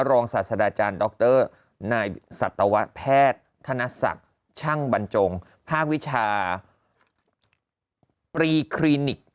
รองสัตว์ธรรมดรนายศัตวแพทย์คณสักช่างบรรจงภาควิชาปรีครีนิก